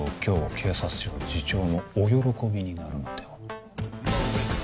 警察庁次長もお喜びになるのでは？